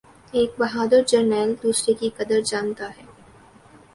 ایک بہادر جرنیل دوسرے کی قدر جانتا ہے